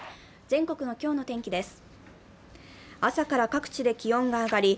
全国の今日の天気です。